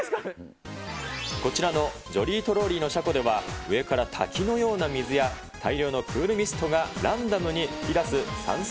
こちらのジョリートロリーの車庫では、上から滝のような水や、大量のクールミストがランダムに噴き出す散水